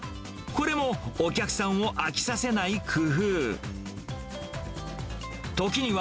これもお客さんを飽きさせない工夫。